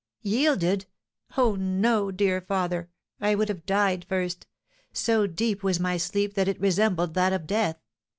"Yielded! Oh, no, dear father, I would have died first! So deep was my sleep that it resembled that of death.